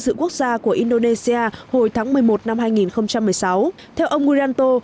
dự quốc gia của indonesia hồi tháng một mươi một năm hai nghìn một mươi sáu theo ông uyrahanto